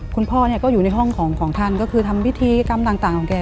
คุณพ่อเนี่ยก็อยู่ในห้องของท่านก็คือทำพิธีกรรมต่างของแก